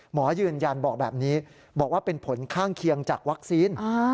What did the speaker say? หมอยืนยันบอกแบบนี้บอกว่าเป็นผลข้างเคียงจากวัคซีน